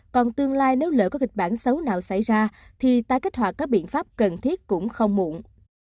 còn tương lai nếu lỡ có kịch bản xấu nào xảy ra thì ta kích hoạt các biện pháp cần thiết cũng không muộn